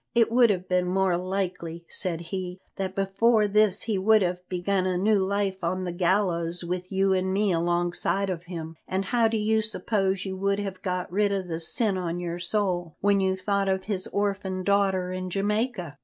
"It would have been more likely," said he, "that before this he would have begun a new life on the gallows with you and me alongside of him, and how do you suppose you would have got rid of the sin on your soul when you thought of his orphan daughter in Jamaica?"